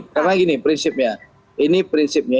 karena gini prinsipnya ini prinsipnya